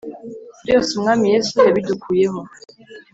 byose umwami yesu yabidukuyeho,